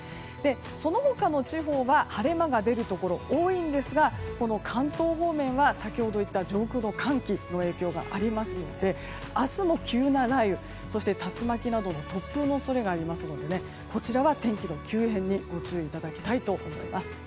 その他の地方は晴れ間が出るところ多いんですが関東方面は、先ほど言った上空の寒気の影響がありますので明日も急な雷雨そして竜巻などの突風の恐れがありますのでこちらは天気の急変にご注意いただきたいと思います。